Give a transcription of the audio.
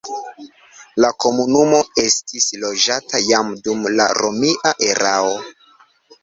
La komunumo estis loĝata jam dum la romia erao.